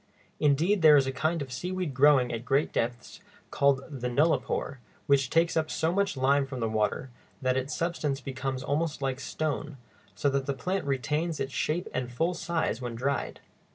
Indeed, there is a kind of seaweed growing at great depths called the nullipore, which takes up so much lime from the water that its substance becomes almost like stone, so that the plant retains its shape and full size when dried.